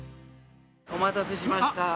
おまたせしました。